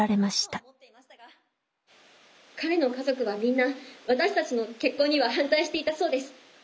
彼の家族はみんな私たちの結婚には反対していたそうです。